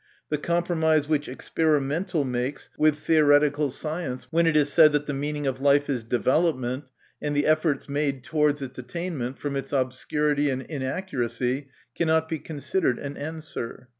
The compromise which experimental makes with 54 MY CONFESSION. theoretical science, when it is said that the meaning of life is development, and the efforts made towards its attainment, from its obscurity and inaccuracy cannot be considered an answer.